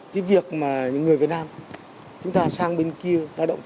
cái việc mà những người việt nam chúng ta sang bên kia